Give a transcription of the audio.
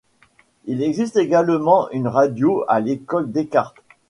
Il existe également une radio à l'école Descartes.